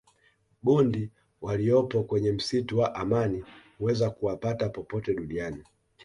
bundi waliyopo kwenye msitu wa amani huwezi kuwapata popote duniani